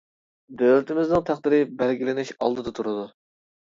دۆلىتىمىزنىڭ تەقدىرى بەلگىلىنىش ئالدىدا تۇرىدۇ.